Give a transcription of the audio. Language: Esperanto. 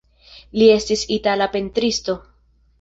Li estis itala pentristo.